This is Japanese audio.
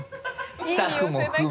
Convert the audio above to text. スタッフも含め。